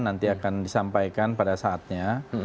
nanti akan disampaikan pada saatnya